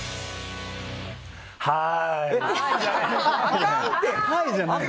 はい。